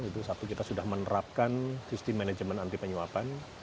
itu satu kita sudah menerapkan sistem manajemen anti penyuapan